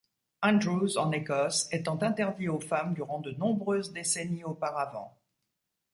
Andrews en Écosse, étant interdit aux femmes durant de nombreuses décennies auparavant.